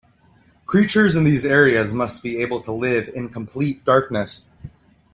Creatures in these areas must be able to live in complete darkness.